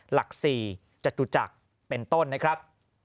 หลัก๔จตุจักรเป็นต้นนะครับ